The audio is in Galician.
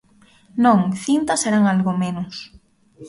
Non, cintas eran algo menos.